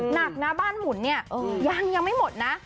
หนักนะบ้านหมุนเนี่ยยังไม่หมดนะ